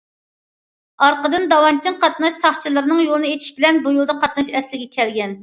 ئارقىدىن داۋانچىڭ قاتناش ساقچىلىرىنىڭ يولنى ئېچىشى بىلەن بۇ يولدا قاتناش ئەسلىگە كەلگەن.